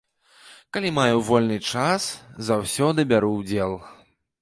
Калі маю вольны час, заўсёды бяру ўдзел.